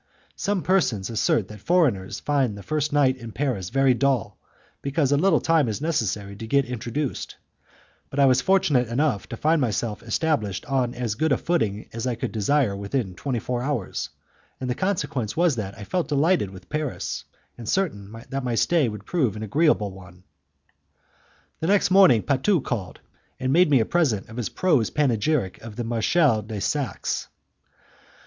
Some persons assert that foreigners find the first fortnight in Paris very dull, because a little time is necessary to get introduced, but I was fortunate enough to find myself established on as good a footing as I could desire within twenty four hours, and the consequence was that I felt delighted with Paris, and certain that my stay would prove an agreeable one. The next morning Patu called and made me a present of his prose panegyric on the Marechal de Saxe.